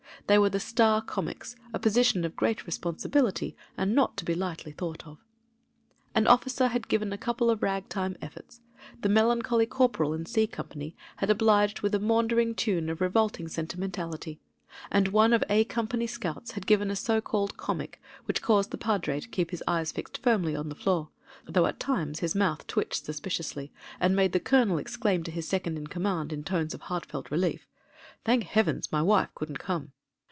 They were the star comics: a position of great responsibility and not to be lightly thought of. An officer had given a couple of rag time efforts; the melancholy corporal in C Company had obliged with a maundering tune of revolting sentimentality, and one of A Company scouts had given a so called comic which caused the padre to keep his eyes fixed firmly on the floor, though at times his mouth twitched sus piciously, and made the colonel exclaim to his second in command in tones of heartfelt relief: *'Thank Heavens, my wife couldn't come!"